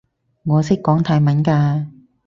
我識講泰文㗎